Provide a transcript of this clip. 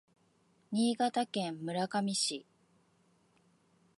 新潟県村上市